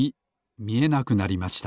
みえなくなりました。